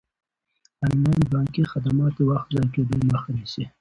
انلاین بانکي خدمات د وخت د ضایع کیدو مخه نیسي.